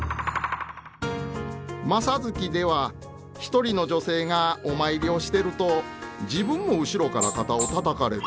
「正月」では一人の女性がお参りをしてると自分も後ろから肩をたたかれる。